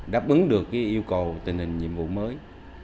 đáp ứng được yêu cầu tình hình nhiệm vụ mới